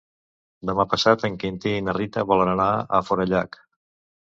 Demà passat en Quintí i na Rita volen anar a Forallac.